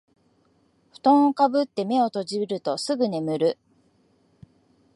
ふとんをかぶって目を閉じるとすぐ眠る